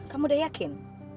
kamu udah yakin